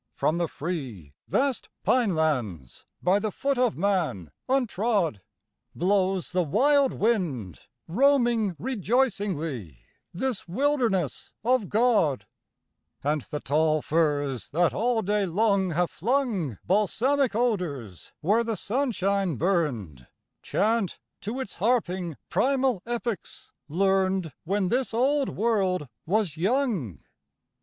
From the free, Vast pinelands by the foot of man untrod, Blows the wild wind, roaming rejoicingly This wilderness of God; And the tall firs that all day long have flung Balsamic odors where the sunshine burned, Chant to its harping primal epics learned When this old world was young.